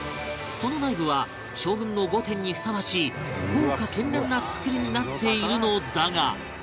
その内部は将軍の御殿にふさわしい豪華絢爛な造りになっているのだが